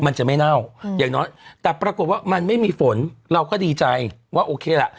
มันจะไม่เน่าอย่างน้อยแต่ปรากฏว่ามันไม่มีฝนเราก็ดีใจว่าโอเคล่ะ